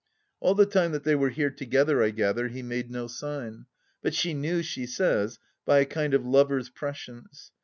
... All the time that they were here together, I gather, he made no sign. Bub she knew, she says, by a kind of lover's prescience.